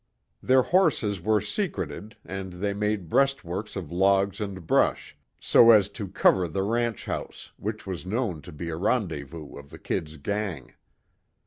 Their horses were secreted, and they made breastworks of logs and brush, so as to cover the ranch house, which was known to be a rendezvous of the "Kid's" gang.